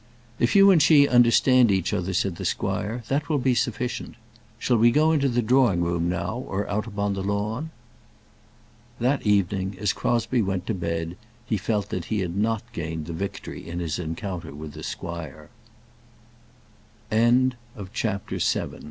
"If you and she understand each other," said the squire, "that will be sufficient. Shall we go into the drawing room now, or out upon the lawn?" That evening, as Crosbie went to bed, he felt that he had not gained the victory in his encounter with the squire. CHAPTER VIII. IT CANNOT BE.